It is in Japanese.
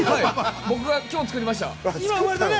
僕は今日、作りました。